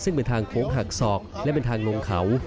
ซึ่งเป็นทางโค้งหักศอกและเป็นทางลงเขา